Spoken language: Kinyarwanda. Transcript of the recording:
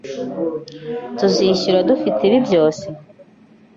Tuzishyura dute ibi byose?